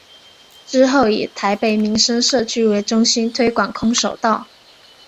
之后以台北民生社区为中心推广空手道。